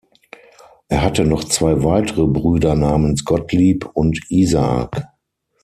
Er hatte noch zwei weitere Brüder namens Gottlieb und Isaak.